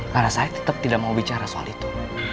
karena saya tetap tidak mau bicara soal itu